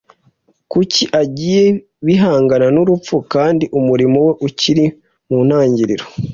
Kuki agiye bihangana n'urupfu kandi umurimo we ukiri mu ntangiriro?